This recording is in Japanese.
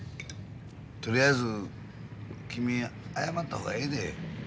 とりあえず君謝った方がええで。